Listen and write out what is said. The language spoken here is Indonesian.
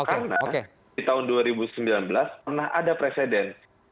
karena di tahun dua ribu sembilan belas pernah ada presiden